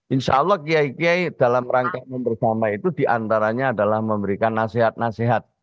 insya allah kiai kiai dalam rangka memperbama itu diantaranya adalah memberikan nasihat nasihat